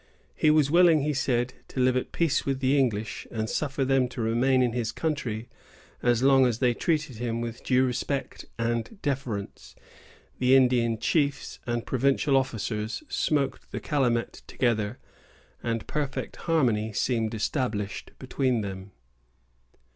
He was willing, he said, to live at peace with the English, and suffer them to remain in his country as long as they treated him with due respect and deference. The Indian chiefs and provincial officers smoked the calumet together, and perfect harmony seemed established between them.